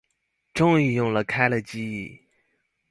終於用了開了機